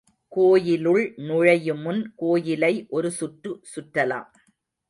கோயிலுள் நுழையுமுன் கோயிலை ஒரு சுற்று சுற்றலாம்.